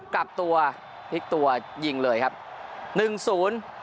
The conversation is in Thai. กลับตัวพลิกตัวยิงเลยครับหนึ่งศูนย์